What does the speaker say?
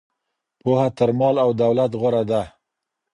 پوهه تر مال او دولت غوره ده.